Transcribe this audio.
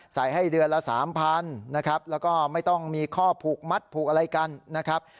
ให้เดือนละ๓๐๐นะครับแล้วก็ไม่ต้องมีข้อผูกมัดผูกอะไรกันนะครับ